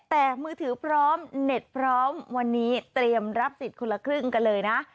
แต่มือถือพร้อมเน็ตพร้อมวันนี้เตรียมรับสิทธิ์คนละครึ่งกันเลยนะ